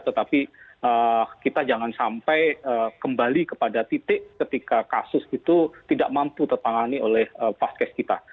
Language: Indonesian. tetapi kita jangan sampai kembali kepada titik ketika kasus itu tidak mampu tertangani oleh vaskes kita